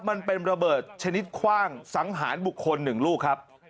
มันเป็นระเบิดชนิดคว่างสังหารบุคคล๑ลูกครับ